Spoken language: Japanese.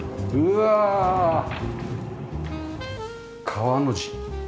川の字。